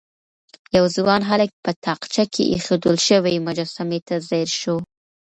يو ځوان هلک په تاقچه کې ايښودل شوې مجسمې ته ځير شو.